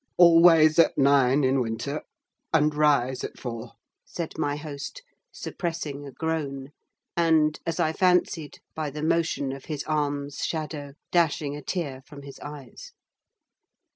"Always at nine in winter, and rise at four," said my host, suppressing a groan: and, as I fancied, by the motion of his arm's shadow, dashing a tear from his eyes.